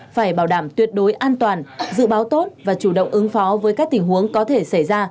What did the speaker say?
phải bảo đảm tuyệt đối an toàn dự báo tốt và chủ động ứng phó với các tình huống có thể xảy ra